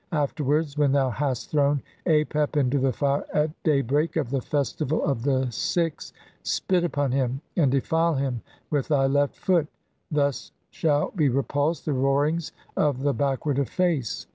Afterwards, "when thou hast thrown Apep into the fire at day "break of the festival of the six, spit upon him and "defile him with thy left foot ; thus shall be repulsed "the roarings of the Backward of Face.